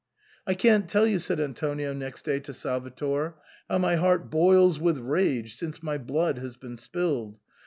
" I can't tell you," said Antonio next day to Salvator, how my heart boils with rage since my blood has been spilled.